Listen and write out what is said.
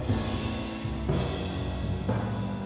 ini adalah harga yang diberi oleh niko pak